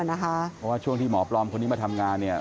เพราะว่าช่วงที่หมอปลอมมาทำงาน